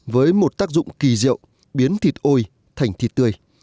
với một tác dụng kỳ diệu biến thịt ôi thành thịt tươi